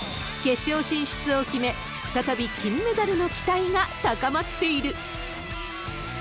決勝進出を決め、再び金メダルの期待が高まっている。